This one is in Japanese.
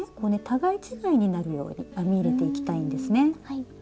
互い違いになるように編み入れていきたいんですね。